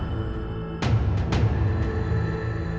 tapi siap timeframe dari